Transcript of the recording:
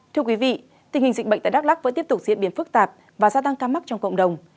thưa quý vị tình hình dịch bệnh tại đắk lắc vẫn tiếp tục diễn biến phức tạp và gia tăng ca mắc trong cộng đồng